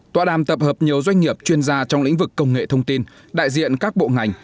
tòa đàm tập hợp nhiều doanh nghiệp chuyên gia trong lĩnh vực công nghệ thông tin đại diện các bộ ngành